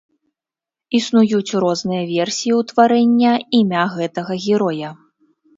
Існуюць розныя версіі ўтварэння імя гэтага героя.